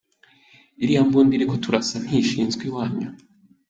Iriya mbunda iri kuturasa ntishinze iwanyu?